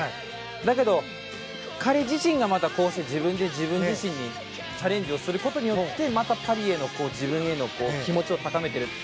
だけど、彼自身がまたこうして自分自身にチャレンジすることによってパリへの自分の気持ちを高めている。